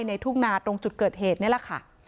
ในทุ่ตรงจุดเกิดเหตุค่ะ